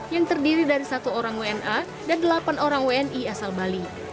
yang terdiri dari satu orang wna dan delapan orang wni asal bali